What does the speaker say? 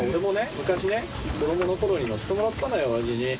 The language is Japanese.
昔ね子どもの頃に乗せてもらったのよおやじに。